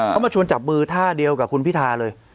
เขามาชวนจับมือท่าเดียวกับคุณพิธาเลย